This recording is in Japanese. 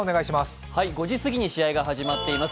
５時過ぎに試合が始まっています